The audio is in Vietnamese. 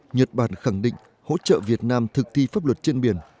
nhật bản khẳng định hỗ trợ việt nam thực thi pháp luật trên biển